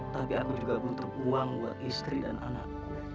tapi aku juga butuh uang buat istri dan anak